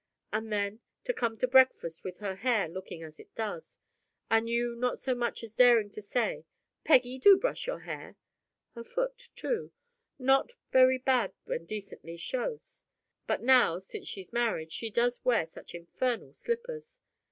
And then, to come to breakfast with her hair looking as it does, and you not so much as daring to say, "Peggy, do brush your hair!" Her foot, too not very bad when decently chausse; but now since she's married she does wear such infernal slippers!